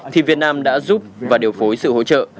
thì việt nam đã giúp và điều phối sự hỗ trợ